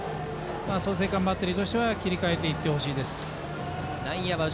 創成館バッテリーとしては切り替えていってほしいです。